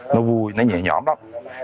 nó vui nó nhẹ nhõm lắm